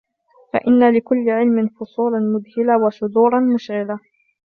فَإِنَّ لِكُلِّ عِلْمٍ فُصُولًا مُذْهِلَةً وَشُذُورًا مُشْغِلَةً